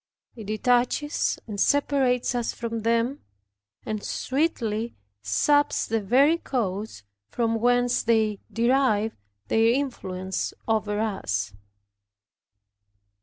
It detaches and separates us from them, and sweetly saps the very cause from whence they derive their influence over us.